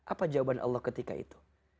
apa jawaban allah ketika itu